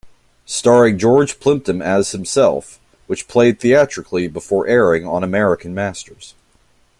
Starring George Plimpton as Himself, which played theatrically before airing on American Masters.